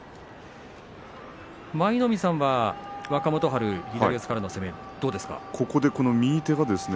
舞の海さんは若元春の攻め、どうですか？